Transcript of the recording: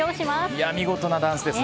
いや、見事なダンスですね。